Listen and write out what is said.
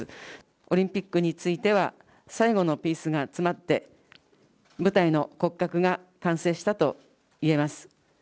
オリンピックについては、最後のピースが集まって、舞台の骨格が完成したといえます。